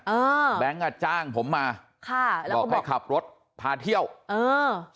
แบงค์อ่ะจ้างผมมาค่ะบอกให้ขับรถพาเที่ยวเออ